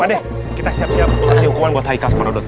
pak deh kita siap siap kasih hukuman buat haika sama donut